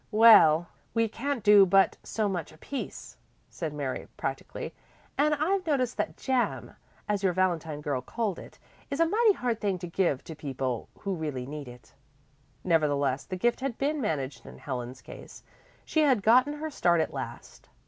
"Well, we can't do but so much apiece," said Mary practically. "And I've noticed that 'jam,' as your valentine girl called it, is a mighty hard thing to give to people who really need it." Nevertheless the gift had been managed in Helen's case; she had gotten her start at last.